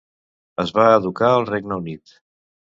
Es va educar al Regne Unit.